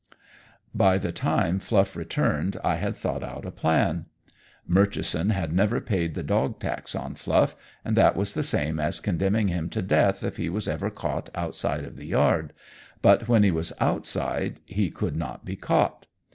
By the time Fluff returned I had thought out a plan. Murchison had never paid the dog tax on Fluff, and that was the same as condemning him to death if he was ever caught outside of the yard, but when he was outside he could not be caught.